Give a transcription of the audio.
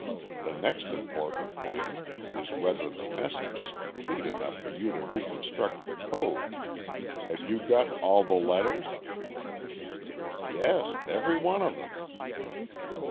The next important point is whether the message is complete enough for you to reconstruct the code. Have you got all the letters?" "Yes, every one of them."